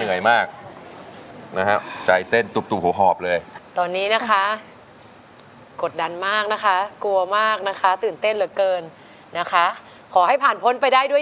สิอาจะกระเด็นออกมานอกเสื้อแล้วนะเนี่ย